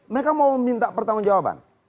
mereka mau minta pertanggung jawaban